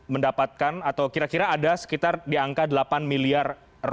mendapatkan atau kira kira ada sekitar di angka rp delapan miliar